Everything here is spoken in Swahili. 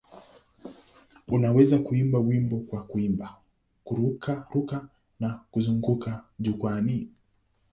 Unawezaje kuimba wimbo kwa kukimbia, kururuka na kuzunguka jukwaani?